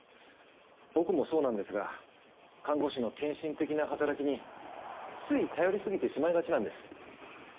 僕もそうなんですが看護師の献身的な働きについ頼りすぎてしまいがちなんです。